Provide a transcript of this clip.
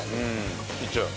いっちゃう？